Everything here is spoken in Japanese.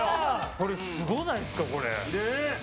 これ、すごないですか？